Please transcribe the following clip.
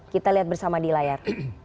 kita lihat bersama di layar